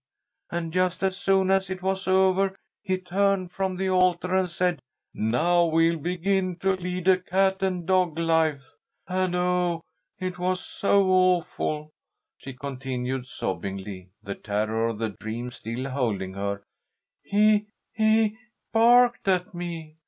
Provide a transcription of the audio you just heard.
And just as soon as it was over he turned from the altar and said, 'Now we'll begin to lead a cat and dog life.' And, oh, it was so awful," she continued, sobbingly, the terror of the dream still holding her, "he he barked at me!